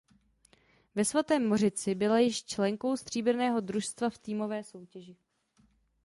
Ve Svatém Mořici byla již členkou stříbrného družstva v týmové soutěži.